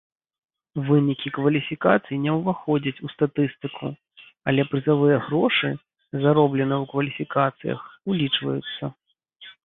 Вынікі кваліфікацый не ўваходзяць у статыстыку, але прызавыя грошы, заробленыя ў кваліфікацыях, улічваюцца.